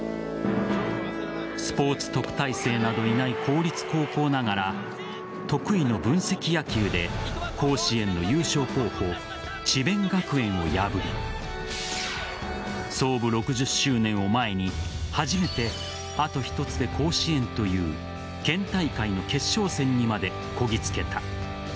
スポーツ特待生などいない公立高校ながら得意の分析野球で甲子園の優勝候補智弁学園を破り創部６０周年を前に初めてあと一つで甲子園という県大会の決勝戦にまでこぎつけた。